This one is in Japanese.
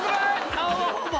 顔はほぼ！